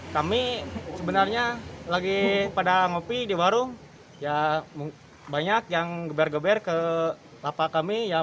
kami sebenarnya lagi pada ngopi di warung ya banyak yang geber geber ke lapak kami